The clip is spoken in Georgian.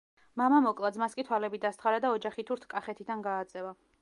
მამა მოკლა, ძმას კი თვალები დასთხარა და ოჯახითურთ კახეთიდან გააძევა.